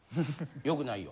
良くないよ！